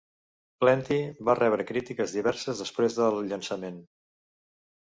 "Plenty" va rebre crítiques diverses després del llançament.